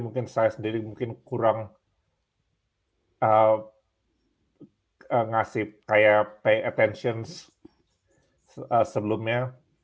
mungkin saya sendiri mungkin kurang ngasih kayak pay attention sebelumnya